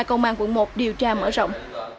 công an quận một điều tra mở rộng